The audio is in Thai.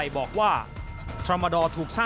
มีความรู้สึกว่า